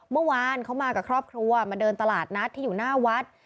เมื่อวานเขามากับครอบครัวมาเดินตลาดนัดที่อยู่หน้าวัด